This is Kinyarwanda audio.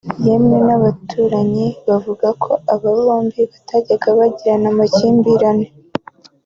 yemwe n’abaturanyi bavuga ko aba bombi batajyaga bagirana amakimbirane